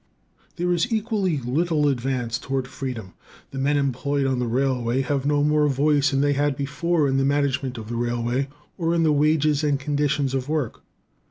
There is equally little advance toward freedom. The men employed on the railway have no more voice than they had before in the management of the railway, or in the wages and conditions of work.